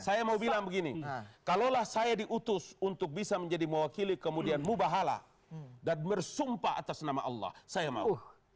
saya mau bilang begini kalaulah saya diutus untuk bisa menjadi mewakili kemudian mubahala dan bersumpah atas nama allah saya mau